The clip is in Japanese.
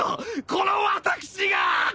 この私が！